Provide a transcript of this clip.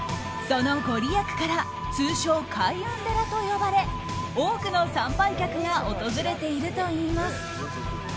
そのご利益から通称、開運寺と呼ばれ多くの参拝客が訪れているといいます。